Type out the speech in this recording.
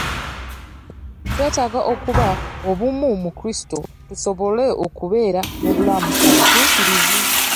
Twetaaga okuba obumu mu Kulisito tusobole okubeera mu bulamu obutukuvu.